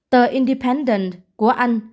tờ independent của anh